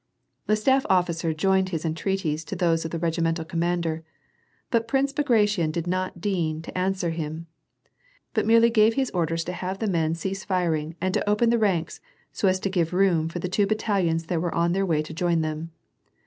The staff officer joined his entreaties to those of the regi mental commander, but Prince Bagration did not deign to answer him, and merely gave his orders to have the men cease firing and to open the ranks so as to give room for the two bat talions that were on their way to join them.